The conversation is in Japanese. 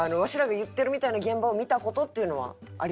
言ってるみたいな現場を見た事っていうのはありますか？